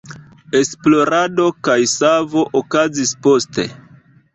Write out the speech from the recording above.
Esplorado kaj savo okazis poste.